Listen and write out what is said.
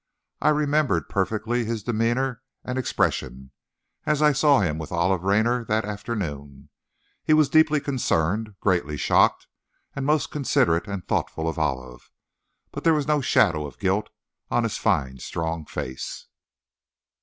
I remembered perfectly his demeanor and expression, as I saw him, with Olive Raynor that afternoon. He was deeply concerned, greatly shocked, and most considerate and thoughtful of Olive, but there was no shadow of guilt on his fine, strong face.